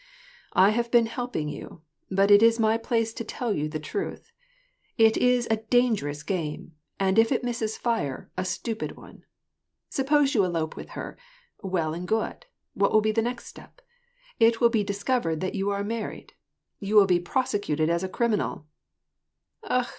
" I have been helping you ; but it is my place to tell you the truth : it is a dangerous game, and if it misses fire, a stupid one. Suppose you elope with her — well and good. What will be the next step ? It will be discovered that you are married. You will be prosecuted as a criminal "—" Akh